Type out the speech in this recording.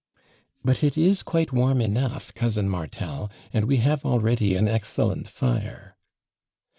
" But it is quit^ warm enough, cousin Martel, and we have already an excellent fire."